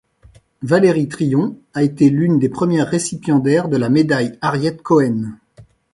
Valerie Tryon a été l'une des premières récipiendaires de la médaille Harriet Cohen.